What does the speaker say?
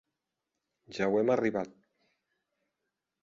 Ja auem arribat.